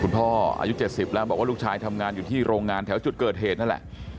พ่ออายุ๗๐แล้วบอกว่าลูกชายทำงานอยู่ที่โรงงานแถวจุดเกิดเหตุนั่นแหละ